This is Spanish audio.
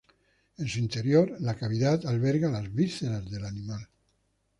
En su interior, la cavidad alberga las vísceras del animal.